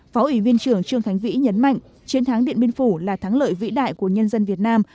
phó ủy viên trưởng trương khánh vĩ nhấn mạnh chiến thắng điện biên phủ là thắng lợi vĩ đại của nhân dân việt nam